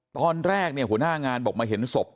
ตอนแรกเนี่ยหัวหน้างานบอกมาเห็นศพ